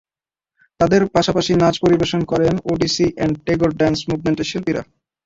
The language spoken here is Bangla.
তাঁদের পাশাপাশি নাচ পরিবেশন করেন ওডিসি অ্যান্ড টেগর ডান্স মুভমেন্টের শিল্পীরা।